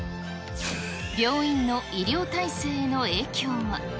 病院の医療体制への影響は。